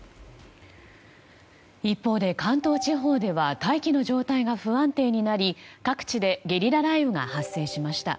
一方で関東地方では大気の状態が不安定になり各地でゲリラ雷雨が発生しました。